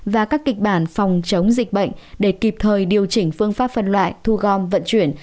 và các kịch bản phòng chống dịch bệnh để kịp thời điều chỉnh phương pháp phân loại thu gom vận chuyển